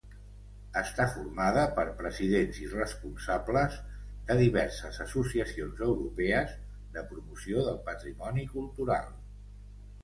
Està formada per presidents i responsables de diverses associacions europees de promoció del patrimoni cultural.